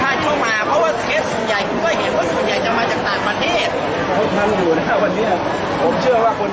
อาหรับเชี่ยวจามันไม่มีควรหยุด